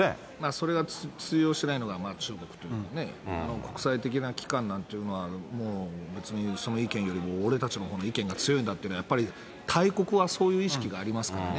それが通用しないのが中国というね、国際的な機関なんていうのはもう別に、その意見よりも俺たちのほうの意見が強いんだと、やっぱり大国はそういうありますからね。